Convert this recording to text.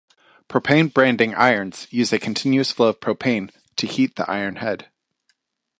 Propane Branding Irons use a continuous flow of propane to heat the iron head.